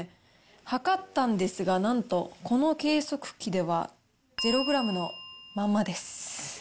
量ったんですが、なんと、この計測器では０グラムのままです。